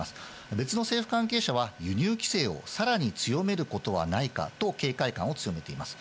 別の政府関係者は、輸入規制をさらに強めることはないかと警戒感を強めています。